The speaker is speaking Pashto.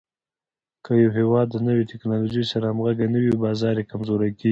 که یو هېواد د نوې ټکنالوژۍ سره همغږی نه وي، بازار یې کمزوری کېږي.